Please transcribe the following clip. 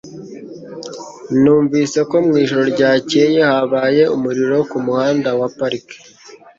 Numvise ko mu ijoro ryakeye habaye umuriro ku muhanda wa Park.